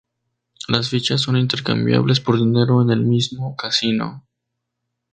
Las fichas son intercambiables por dinero en el mismo casino.